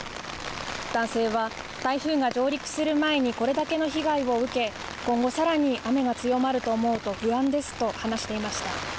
男性は、台風が上陸する前にこれだけの被害を受け、今後さらに雨が強まると思うと不安ですと話していました。